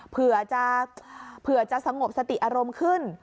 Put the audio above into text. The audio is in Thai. เผื่อจะสงบสติอารมณ์ขึ้น